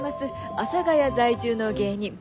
阿佐ヶ谷在住の芸人。